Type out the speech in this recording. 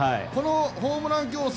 ホームラン競争